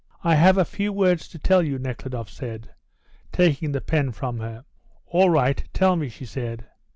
"I have a few words to tell you," Nekhludoff said, taking the pen from her. "All right; tell me," she said.